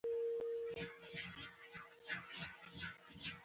کاویان بیرغ یې تر لاسه کړ.